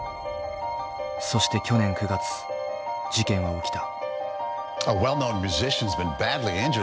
そして去年９月事件は起きた。